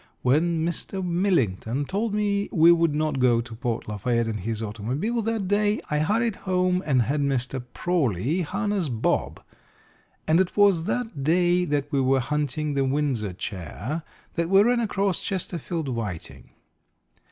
When Mr. Millington told me we could not go to Port Lafayette in his automobile that day, I hurried home and had Mr. Prawley harness Bob, and it was that day, when we were hunting the Windsor chair, that we ran across Chesterfield Whiting.